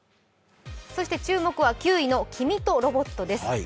そして注目は９位の「きみとロボット」です。